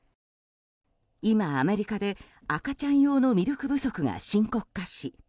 今、アメリカで赤ちゃん用のミルク不足が深刻化し